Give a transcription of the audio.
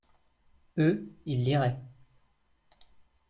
Eux, ils liraient.